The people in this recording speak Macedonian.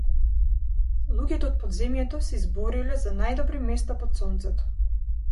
Луѓе од подземјето се избориле за најдобри места под сонцето.